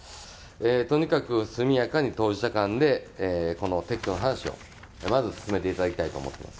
とにかく速やかに当事者間でこの撤去の話をまず進めていただきたいと思っています。